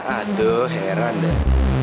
aduh heran deh